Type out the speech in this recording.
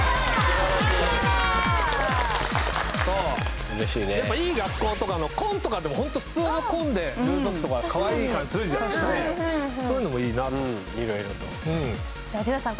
うれしいねやっぱいい学校とかの紺とかでもホント普通の紺でルーズソックスとか可愛い感じするじゃないそういうのもいいなとうんいろいろとではじゅなさん